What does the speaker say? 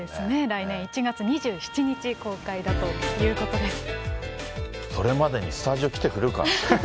来年１月２７日公開だということです。